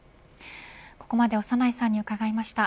ここまで長内さんに伺いました。